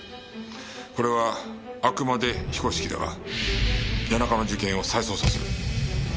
これはあくまで非公式だが谷中の事件を再捜査する。